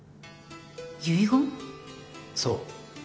そう。